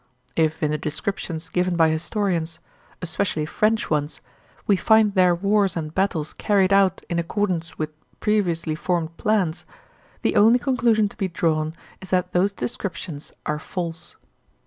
If in the descriptions given by historians, especially French ones, we find their wars and battles carried out in accordance with previously formed plans, the only conclusion to be drawn is that those descriptions are false.